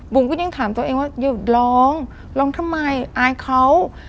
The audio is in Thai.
ก็ยังถามตัวเองว่าหยุดร้องร้องทำไมอายเขา